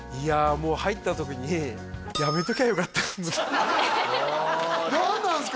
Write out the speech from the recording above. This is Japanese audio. もう入った時にやめときゃよかったなと何なんですか？